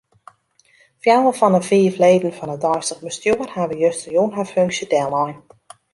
Fjouwer fan 'e fiif leden fan it deistich bestjoer hawwe justerjûn har funksje dellein.